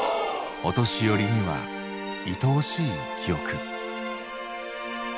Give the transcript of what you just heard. お年寄りにはいとおしい記憶。